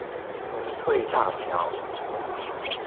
重翠大橋